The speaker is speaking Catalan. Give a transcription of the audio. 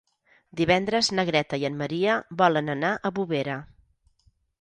Divendres na Greta i en Maria volen anar a Bovera.